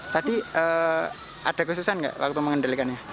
tadi ada kesusahan gak waktu mengendalikannya